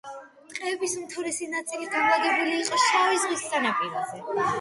ტყეების უმთავრესი ნაწილი განლაგებული იყო შავი ზღვის სანაპიროზე.